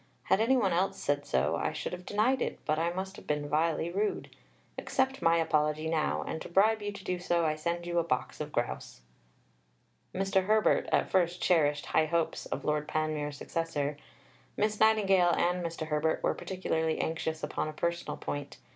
Had any one else said so, I should have denied it, but I must have been vilely rude. Accept my apology now; and to bribe you to do so, I send you a box of grouse." Mr. Herbert at first cherished high hopes of Lord Panmure's successor. Miss Nightingale and Mr. Herbert were particularly anxious upon a personal point.